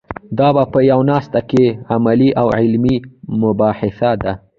دا په یوه ناسته کې عملي او علمي مباحثه ده.